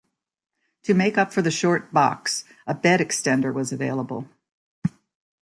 To make up for the short box, a bed extender was available.